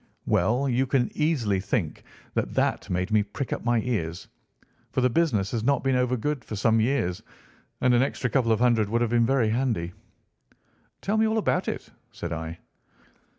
"Well, you can easily think that that made me prick up my ears, for the business has not been over good for some years, and an extra couple of hundred would have been very handy. "'Tell me all about it,' said I.